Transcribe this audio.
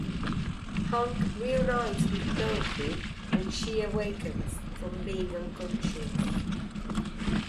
Hunk reunites with Dorothy when she awakens from being unconscious.